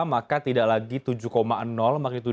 maka tidak lagi tujuh